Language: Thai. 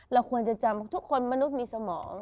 เราควรจะจำทุกคนมนุษย์มีสมอง